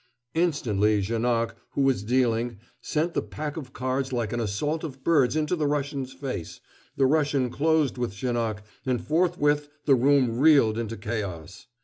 Instantly Janoc, who was dealing, sent the pack of cards like an assault of birds into the Russian's face, the Russian closed with Janoc, and forthwith the room reeled into chaos.